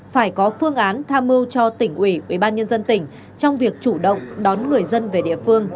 phải có phương án tham mưu cho tỉnh ủy ủy ban nhân dân tỉnh trong việc chủ động đón người dân về địa phương